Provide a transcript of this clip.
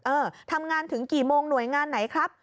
เออทำงานถึงกี่โมงหน่วยงานไหนครับ